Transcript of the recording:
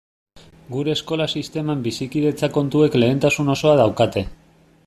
Gure eskola sisteman bizikidetza kontuek lehentasun osoa daukate.